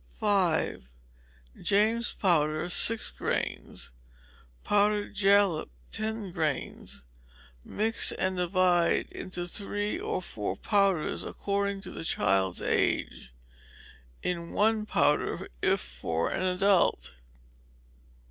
5. James's powder, six grains; powdered jalap, ten grains; mix, and divide into three or four powders, according to the child's age: in one powder if for an adult.